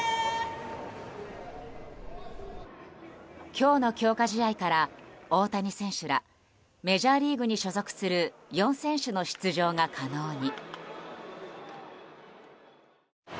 今日の強化試合から大谷選手らメジャーリーグに所属する４選手の出場が可能に。